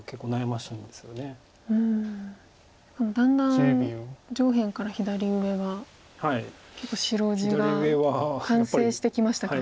だんだん上辺から左上が結構白地が完成してきましたか。